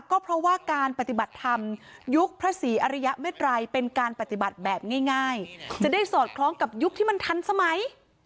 ก็เพราะว่าการปฏิบัติธรรมยุคพระศรีอริยเมตรัยเป็นการปฏิบัติแบบง่ายจะได้สอดคล้องกับยุคที่มันทันสมัย